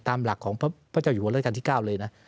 ตามหลักของพระเจ้าอยู่หัวราชการที่๙เลยนะ